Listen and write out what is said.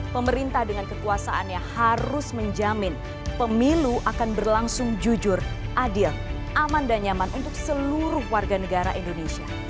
pemerintah dengan kekuasaannya harus menjamin pemilu akan berlangsung jujur adil aman dan nyaman untuk seluruh warga negara indonesia